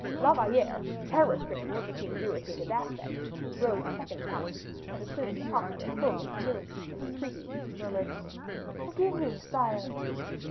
La Valliere, terror stricken at the king's irritated aspect, rose a second time, and assuming a posture full of humility and entreaty, murmured, "Forgive me, sire."